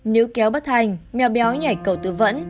nếu kéo bất thành mèo béo nhảy cầu tư vẫn